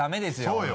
そうよ。